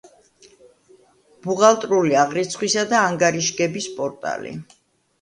ბუღალტრული აღრიცხვისა და ანგარიშგების პორტალი